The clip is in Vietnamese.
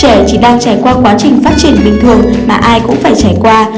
trẻ chỉ đang trải qua quá trình phát triển bình thường mà ai cũng phải trải qua